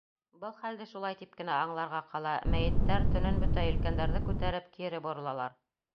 Был хәлде шулай тип кенә аңларға ҡала: мәйеттәр, төнөн бөтә елкәңдәрҙе күтәреп, кире боролалар.